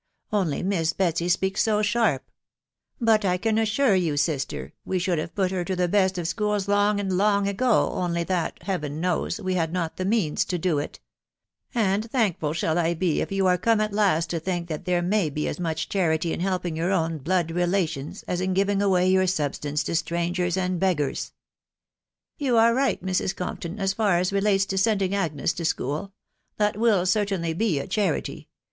.... Only Miss Betsy speaks so sharp But I can assure yon, sister, we should have put her to the hest of schools long and long ago, only that, Heaven knows, we had not the means to do it ; and thankful shall I he if you are come at last to think that there may be as much charity in helping your own blood relations, as in giving away your substance to strangers and beggars." " You are right, Mrs. Compton, as far as relates fo sending Agnes to school .... that will certainly be a charity.